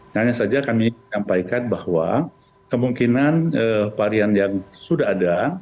hanya saja kami sampaikan bahwa kemungkinan varian yang sudah ada